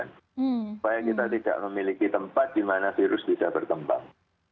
supaya kita tidak memiliki tempat di mana virus bisa berkembang